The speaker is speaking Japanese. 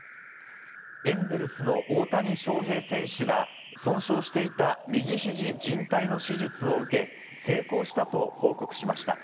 エンゼルスの大谷翔平選手が、損傷していた右肘じん帯の手術を受け、成功したと報告しました。